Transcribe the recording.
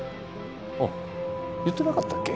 あっ言ってなかったっけ？